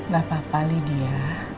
gak apa apa lydia